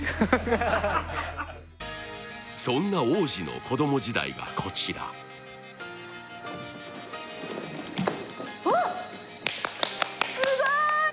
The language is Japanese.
そんな王子の子供時代がこちら・わっすごーい！